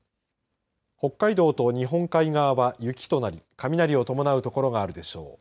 北海道と日本海側は雪となり雷を伴う所があるでしょう。